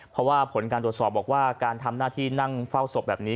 เพราะว่าผลการตรวจสอบบอกว่าการทำหน้าที่นั่งเฝ้าศพแบบนี้